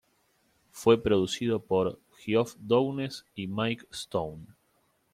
Fue producido por Geoff Downes y Mike Stone.